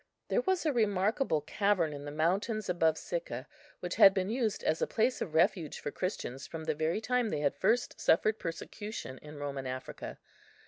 There was a remarkable cavern in the mountains above Sicca, which had been used as a place of refuge for Christians from the very time they had first suffered persecution in Roman Africa.